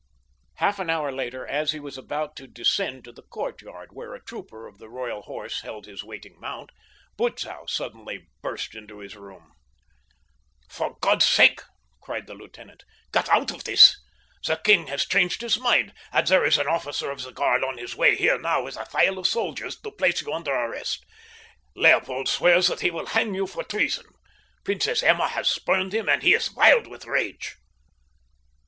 Half an hour later as he was about to descend to the courtyard where a trooper of the Royal Horse held his waiting mount, Butzow burst suddenly into his room. "For God's sake," cried the lieutenant, "get out of this. The king has changed his mind, and there is an officer of the guard on his way here now with a file of soldiers to place you under arrest. Leopold swears that he will hang you for treason. Princess Emma has spurned him, and he is wild with rage."